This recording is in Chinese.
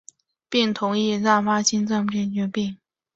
病童亦会出现发大性心脏肌肉病变。